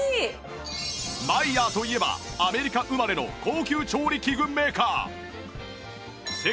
マイヤーといえばアメリカ生まれの高級調理器具メーカー